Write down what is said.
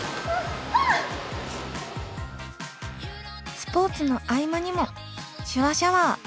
スポーツの合間にも「手話シャワー」。